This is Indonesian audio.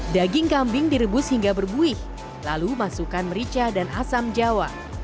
daging kambing direbus hingga berbuih lalu masukkan merica dan asam jawa